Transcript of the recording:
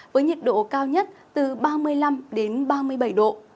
với nhiệt độ cao nhất từ ba mươi năm đến ba mươi bảy độ